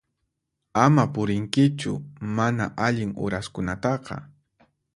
Ama purinkichu mana allin uraskunataqa.